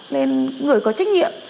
lên người có trách nhiệm